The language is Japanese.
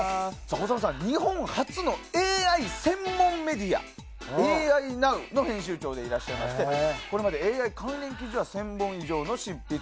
小澤さんは日本初のＡＩ専門メディアＡＩＮＯＷの編集長でいらっしゃいましてこれまでＡＩ関連記事は１０００本以上執筆。